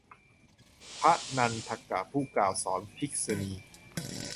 พระนันทกะ ผู้กล่าวสอนภิกษุณี